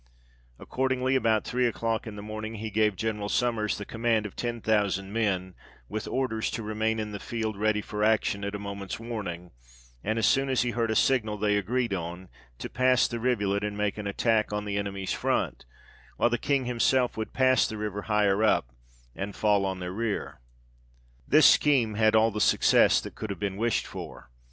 Accordingly, about three o'clock in the morning, he gave General Sommers the command of ten thousand men, with orders to remain in the field, ready for action at a moment's warning, and as soon as he heard a signal they agreed on, to pass the rivulet, and make an attack on the enemy's front, while the King himself would pass the river higher up and fall on their rear. This scheme had all the success that could have been wished for.